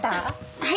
はい。